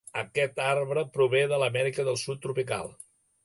Aquest arbre prové de l'Amèrica del Sud tropical.